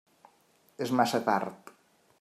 És massa tard.